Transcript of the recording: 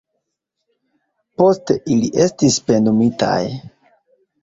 Poste ili estis pendumitaj.